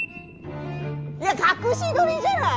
いや隠し撮りじゃない！